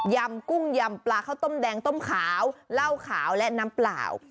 ำกุ้งยำปลาข้าวต้มแดงต้มขาวเหล้าขาวและน้ำเปล่า